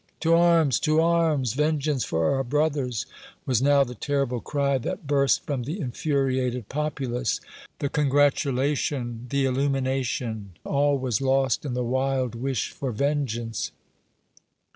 "To arms, to arms! Vengeance for our brothers!" was now the terrible cry that burst from the infuriated populace. The congratulation the illumination all was lost in the wild wish for vengeance.